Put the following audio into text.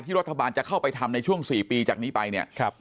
ที่รัฐบาลจะเข้าไปทำในช่วง๔ปีจากนี้ไป